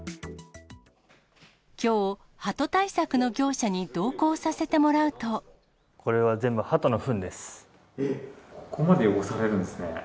きょう、ハト対策の業者に同行さこれは全部ハトのふんです。えっ？